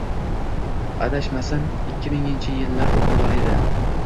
Adashmasam, ikki minginchi yillarning oʻrtalari edi.